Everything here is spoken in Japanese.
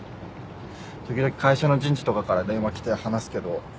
時々会社の人事とかから電話来て話すけど。